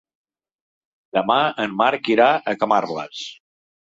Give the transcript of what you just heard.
Demà en Marc irà a Camarles.